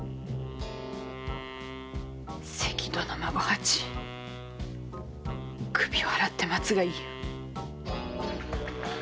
関戸の孫八首を洗って待つがいいよ。